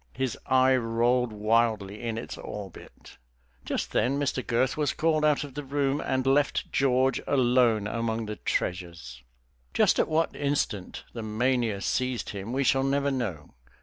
His eye rolled wildly in its orbit. Just then Mr. Girth was called out of the room, and left George alone among the treasures. Just at what instant the mania seized him we shall never know.